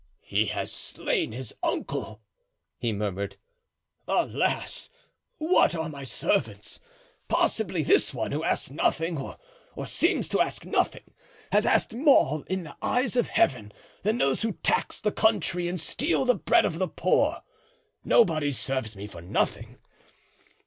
"He has slain his uncle!" he murmured. "Alas! what are my servants? Possibly this one, who asks nothing or seems to ask nothing, has asked more in the eyes of Heaven than those who tax the country and steal the bread of the poor. Nobody serves me for nothing.